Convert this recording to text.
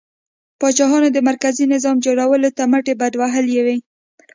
پاچاهانو د مرکزي نظام جوړولو ته مټې بډ وهلې وې.